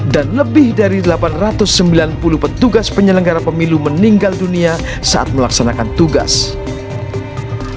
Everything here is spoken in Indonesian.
dan lebih dari delapan ratus sembilan puluh petugas penyelenggara pemilu meninggal dunia saat melaksanakan pemilu